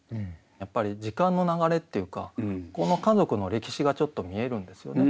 やっぱり時間の流れっていうかこの家族の歴史がちょっと見えるんですよね。